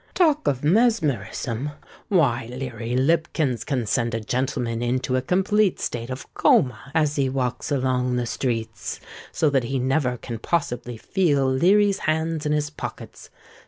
Talk of mesmerism! why—Leary Lipkins can send a gentleman into a complete state of coma as he walks along the streets, so that he never can possibly feel Leary's hands in his pockets.